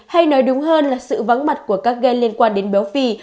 hay nói đúng hơn là sự vắng mặt của các gen liên quan đến béo phì